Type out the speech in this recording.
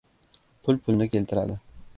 • Pul pulni keltiradi.